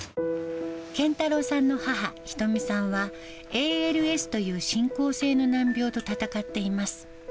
謙太郎さんの母、仁美さんは、ＡＬＳという進行性の難病と闘っています。